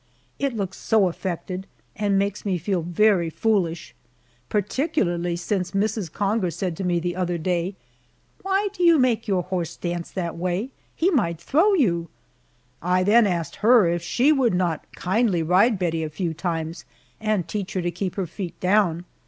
It looks so affected and makes me feel very foolish, particularly since Mrs. Conger said to me the other day: "Why do you make your horse dance that way he might throw you." I then asked her if she would not kindly ride Bettie a few times and teach her to keep her feet down.